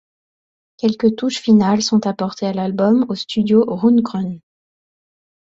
Quelques touches finale sont apportées à l'album au studio Rundgren.